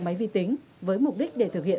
máy vi tính với mục đích để thực hiện